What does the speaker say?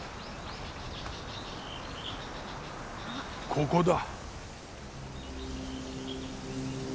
ここだ。